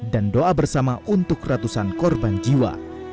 dan doa bersama untuk ratusan korban jiwa